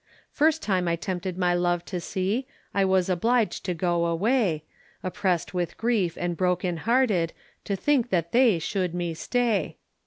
First time I 'tempted my love to see I was obliged to go away, Oppres't with grief and broken hearted To think that they should me stay.